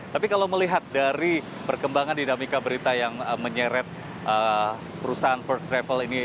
tapi kalau melihat dari perkembangan dinamika berita yang menyeret perusahaan first travel ini